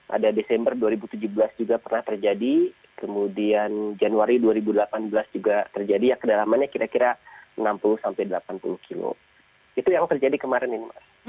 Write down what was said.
ada desember dua ribu tujuh belas juga pernah terjadi kemudian januari dua ribu delapan belas juga terjadi ya kedalamannya kira kira enam puluh sampai delapan puluh kilo itu yang terjadi kemarin ini